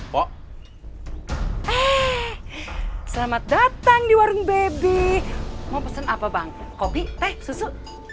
eh selamat datang di warung baby mau pesen apa bang kopi teh susu